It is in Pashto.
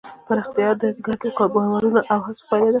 پراختیا د ګډو باورونو او هڅو پایله ده.